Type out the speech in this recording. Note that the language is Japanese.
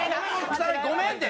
草薙ごめんって。